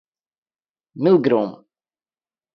מילגרוים